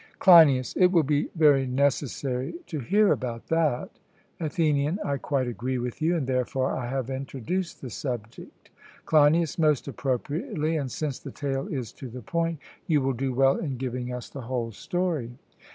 CLEINIAS: It will be very necessary to hear about that. ATHENIAN: I quite agree with you; and therefore I have introduced the subject. CLEINIAS: Most appropriately; and since the tale is to the point, you will do well in giving us the whole story.